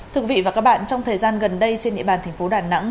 thưa quý vị và các bạn trong thời gian gần đây trên địa bàn thành phố đà nẵng